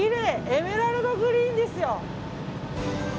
エメラルドグリーンですよ。